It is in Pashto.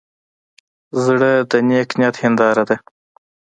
زړه د نیک نیت هنداره ده.